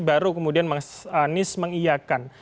baru kemudian mas anies mengiakan